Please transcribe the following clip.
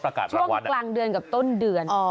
เพราะประกาศรางวัฒน์